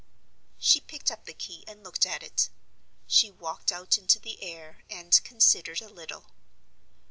She picked up the key and looked at it. She walked out into the air, and considered a little.